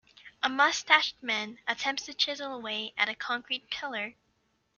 A mustached man attempts to chisel away at a concrete pillar.